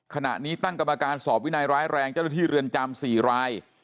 ขณะนี้ตั้งกรรมการสอบวินัยร้ายแรงเจ้าหน้าที่เรือนจำ๔ราย